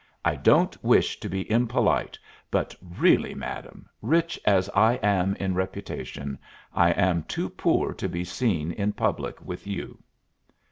I don't wish to be impolite, but really, madam, rich as I am in reputation, I am too poor to be seen in public with you."